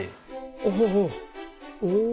おおおお！